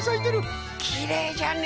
きれいじゃね！